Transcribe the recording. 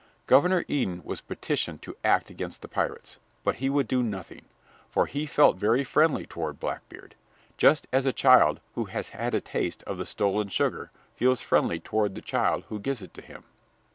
Governor Eden was petitioned to act against the pirates, but he would do nothing, for he felt very friendly toward Blackbeard just as a child who has had a taste of the stolen sugar feels friendly toward the child who gives it to him.